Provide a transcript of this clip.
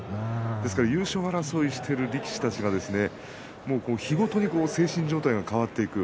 ですから優勝争いをしている力士たちは日ごとに精神状態が変わっていく。